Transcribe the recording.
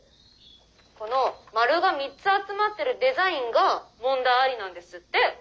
この『丸が３つ』集まってるデザインが問題ありなんですってッ！